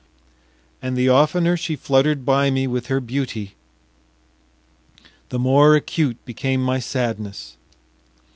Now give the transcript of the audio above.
And the oftener she fluttered by me with her beauty, the more acute became my sadness.